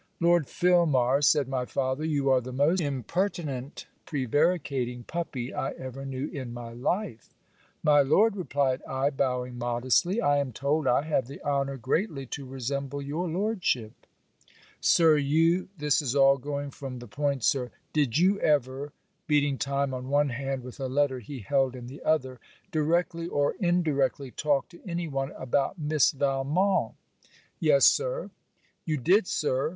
'Lord Filmar,' said my father, 'you are the most impertinent prevaricating puppy I ever knew in my life.' 'My Lord,' replied I bowing modestly, 'I am told I have the honour greatly to resemble your lordship.' 'Sir, you this is all going from the point, Sir. Did you ever .' beating time on one hand with a letter he held in the other, 'directly or indirectly talk to any one about Miss Valmont?' 'Yes, Sir.' 'You did, Sir!'